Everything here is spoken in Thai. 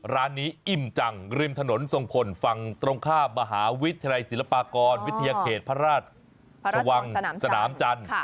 ร้านนี้อิ่มจังริมถนนทรงพลฝั่งตรงข้ามมหาวิทยาลัยศิลปากรวิทยาเขตพระราชวังสนามจันทร์